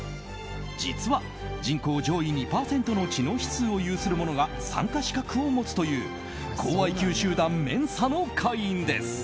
実は、人口上位２％の知能指数を有する者が参加資格を持つという高ＩＱ集団ＭＥＮＳＡの会員です。